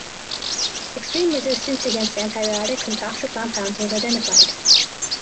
Extreme resistance against antibiotics and toxic compounds was identified.